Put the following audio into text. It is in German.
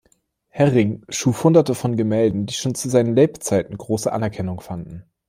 Herring schuf Hunderte von Gemälden, die schon zu seinen Lebzeiten große Anerkennung fanden.